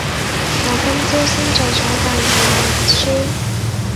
我今朝先做咗第二輪核酸